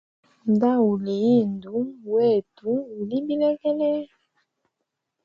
Nda uli indu wetu uli bilegele.